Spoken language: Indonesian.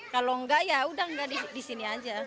kalau enggak ya udah nggak di sini aja